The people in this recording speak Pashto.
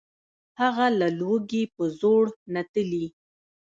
هغه له لوږي په زړو نتلي